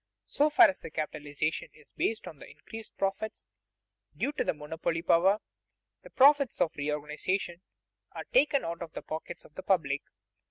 So far as the capitalization is based on the increased profits due to the monopoly power, the profits of reorganization are taken out of the pockets of the public.